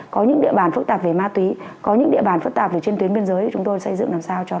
có những địa bàn phức tạp về ma túy có những địa bàn phức tạp về trên tuyến biên giới